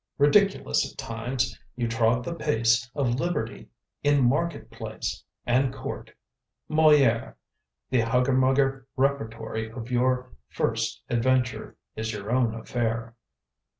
Ridiculous at times â you trod the pace Of liberty in market place And court; Molifere, The huggermugger repertory of your first adventure is your own affair.